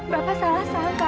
bapak salah sangka